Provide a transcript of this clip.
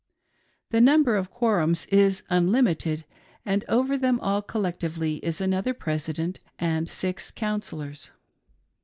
The number of "quorums" is unlimited ; and over them all collectively is another presi , dent and six counsellors.